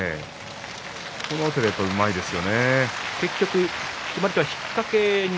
この辺りうまいですね、相撲が。